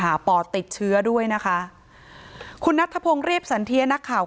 ปอดติดเชื้อด้วยนะคะคุณนัทธพงศ์เรียบสันเทียนักข่าว